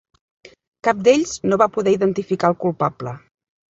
Cap d'ells no va poder identificar el culpable.